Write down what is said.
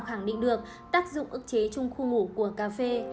khẳng định được tác dụng ức chế trung khu ngủ của cà phê